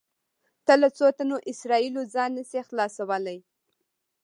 ته له څو تنو اسرایلو ځان نه شې خلاصولی.